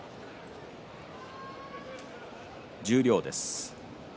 十両です。